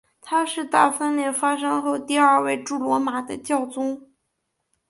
他是大分裂发生后第二位驻罗马的教宗。